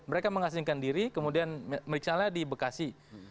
mereka mengasingkan diri kemudian misalnya di bekasi